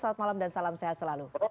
selamat malam dan salam sehat selalu